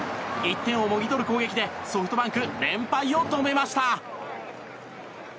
１点をもぎ取る攻撃でソフトバンク連敗を止めました。